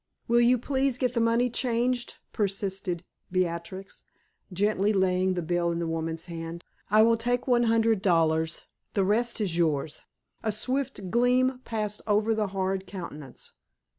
"Will you please get the money changed?" persisted Beatrix, gently, laying the bill in the woman's hand. "I will take one hundred dollars; the rest is yours." A swift gleam passed over the hard countenance.